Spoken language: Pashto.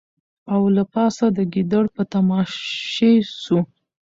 او له پاسه د ګیدړ په تماشې سو